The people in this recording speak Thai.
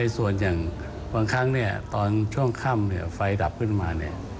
ส่วนอย่างบางครั้งตอนช่วงค่ำไฟดับขึ้นมา